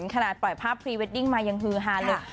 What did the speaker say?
ขนาดปล่อยภาพพรีเวดดิ้งมายังฮือฮาเลย